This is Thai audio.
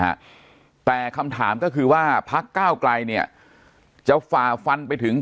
ฮะแต่คำถามก็คือว่าพักก้าวไกลเนี่ยจะฝ่าฟันไปถึง